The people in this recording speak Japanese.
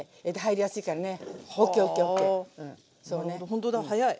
ほんとだ早い。